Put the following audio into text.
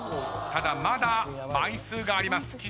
ただまだ枚数があります。